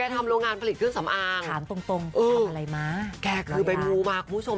โทษนะพี่ถามตรงทำอะไรมาแกก็คือไปมูมาคุณผู้ชม